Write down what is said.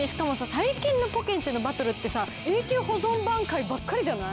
最近のポケんちのバトルってさ永久保存版回ばっかりじゃない？